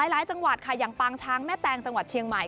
หลายจังหวัดค่ะอย่างปางช้างแม่แตงจังหวัดเชียงใหม่